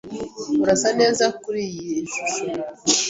Urasa neza kuriyi shusho.